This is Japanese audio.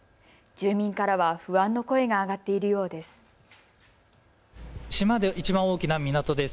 住民からは不安の声が上がっているようです。